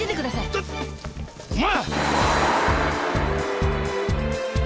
ちょっお前！